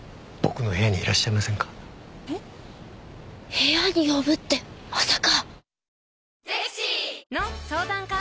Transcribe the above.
部屋に呼ぶってまさか！